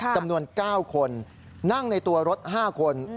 จำนวน๙คนนั่งในตัวรถ๕คน